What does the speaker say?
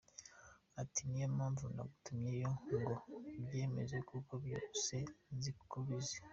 Ati niyo mpamvu nagutumyo ngo ubyemeze kuko byose nzi ko ubizi.